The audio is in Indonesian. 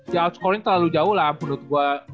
di outscore nya terlalu jauh lah menut gua